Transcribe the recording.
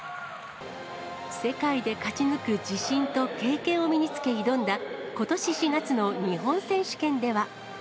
世界で勝ち抜く自信と経験を身につけ挑んだ、ことし４月の日本選手権では。